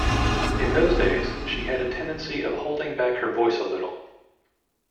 In those days, she had a tendency of holding back her voice a little.